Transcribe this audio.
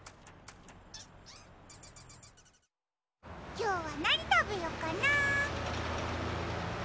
きょうはなにたべよっかな。